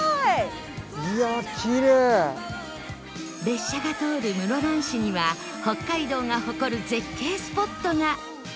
列車が通る室蘭市には北海道が誇る絶景スポットが